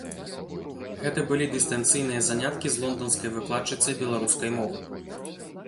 Гэта былі дыстанцыйныя заняткі з лонданскай выкладчыцай беларускай мовы.